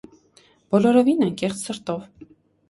- Բոլորովին անկեղծ սրտով: